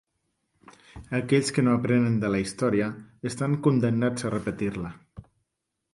Aquells que no aprenen de la història, estan condemnats a repetir-la.